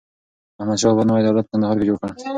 احمدشاه بابا نوی دولت په کندهار کي جوړ کړ.